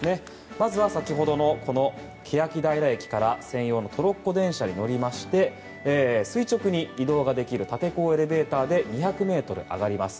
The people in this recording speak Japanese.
まず先ほどの欅平駅から専用のトロッコ電車に乗り垂直に移動ができる竪坑エレベーターで２００ｍ、上がります。